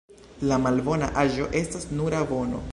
La malbona aĵo estas nura bono.